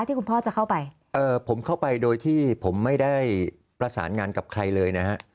คุณพ่อจะเข้าไปเอ่อผมเข้าไปโดยที่ผมไม่ได้ประสานงานกับใครเลยนะฮะ